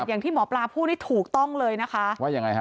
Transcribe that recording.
อย่างที่หมอปลาพูดนี่ถูกต้องเลยนะคะว่ายังไงฮะ